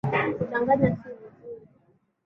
Kudanganya si vizuri .